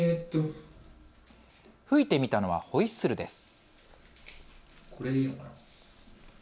吹いてみたのはホイッスルです。